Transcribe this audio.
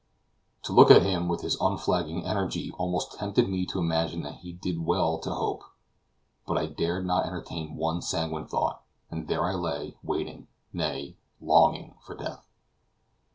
To look at him, with his unflagging energy, almost tempted me to imagine that he did well to hope, but I dared not entertain one sanguine thought, and there I lay, waiting, nay, longing for death.